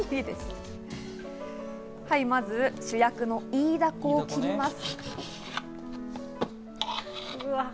まず主役のイイダコを切ります。